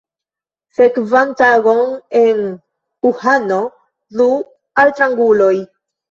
Sekvan tagon en Uhano du altranguloj.